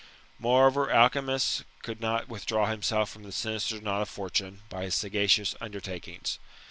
" Moreover, Alcimus could not withdraw himself from the sinister nod of fortune, by his sagacious undertakings.